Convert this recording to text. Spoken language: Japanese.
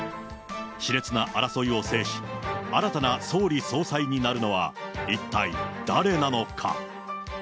しれつな争いを制し、新たな総理・総裁になるのは、一体誰なのか。